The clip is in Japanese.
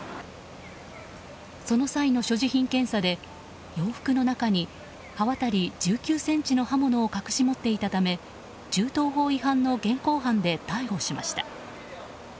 その際の所持品検査で洋服の中に刃渡り１９ｃｍの刃物を隠し持っていたため銃刀法違反の現行犯で逮捕しました。